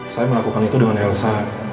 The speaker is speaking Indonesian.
saya melakukan itu dengan elsa